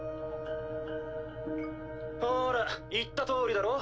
ほら言ったとおりだろ？